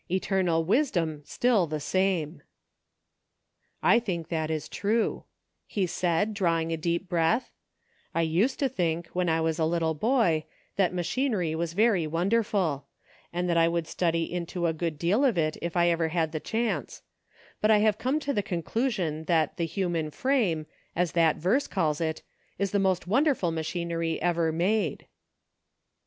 Eternal wisdom still the same I " I think that is true," he said, drawing a deep breath ;" I used to think, when I was a little boy, that machinery was very wonderful ; and that I would study into a good deal of it if I ever had the chance ; but I have come to the conclusion that * the human frame,' as that verse calls it, is the most wonderful machinery ever made."